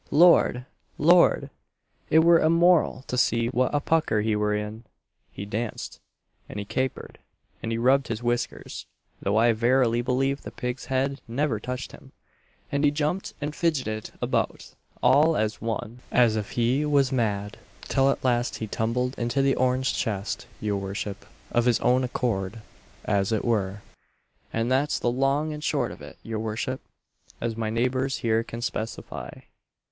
Lord! Lord! it were a moral to see what a pucker he were in! he danced, and he capered, and he rubbed his whiskers though I verily believe the pig's head never touched him and he jumped and fidgeted about all as one as if he was mad, till at last he tumbled into the orange chest, your worship, of his own accord, as it were; and that's the long and short of it, your worship, as my neighbours here can specify."